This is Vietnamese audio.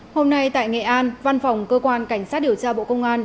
hôm nay tại nghệ an văn phòng cơ quan cảnh sát điều tra bộ công an